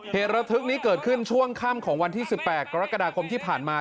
เหตุระทึกนี้เกิดขึ้นช่วงค่ำของวันที่๑๘กรกฎาคมที่ผ่านมา